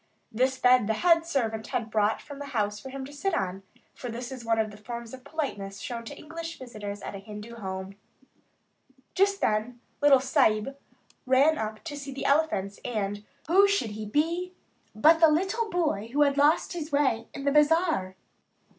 This bed the head servant had brought from the house for him to sit on, for this is one of the forms of politeness shown to English visitors at a Hindu home. Just then the "little Sahib" ran up to see the elephants; and, who should he be, but the little boy who had lost his way in the Bazaar.